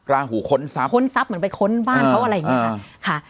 ราหูค้นทรัพย์ค้นทรัพย์เหมือนไปค้นบ้านเขาอะไรอย่างนี้ค่ะ